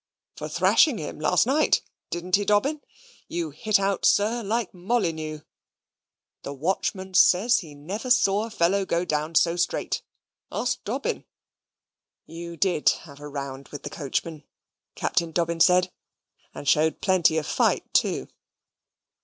"For thrashing him last night didn't he, Dobbin? You hit out, sir, like Molyneux. The watchman says he never saw a fellow go down so straight. Ask Dobbin." "You DID have a round with the coachman," Captain Dobbin said, "and showed plenty of fight too."